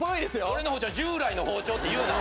俺の包丁従来の包丁って言うな。